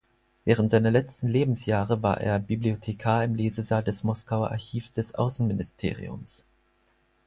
Während seiner letzten Lebensjahre war er Bibliothekar im Lesesaal des Moskauer Archivs des Außenministeriums.